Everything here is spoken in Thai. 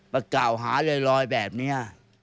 เพราะเก่าหารอยแบบนี้